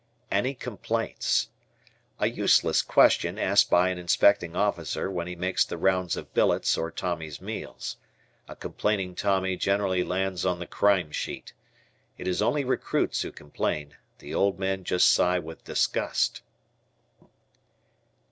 "Any complaints." A useless question asked by an inspecting officer when he makes the rounds of billets or Tommy's meals. A complaining Tommy generally lands on the crime sheet. It is only recruits who complain; the old men just sigh with disgust.